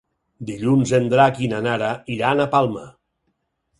Dilluns en Drac i na Nara iran a Palma.